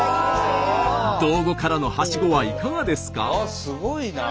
道後からのはしごはいかがですか？